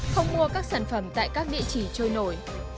không mua các sản phẩm tại các địa chỉ trôi nổi